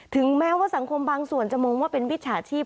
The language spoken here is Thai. ถึงแม้ว่าสังคมบางส่วนจะมองว่าเป็นมิจฉาชีพ